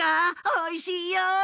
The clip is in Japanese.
おいしいよ！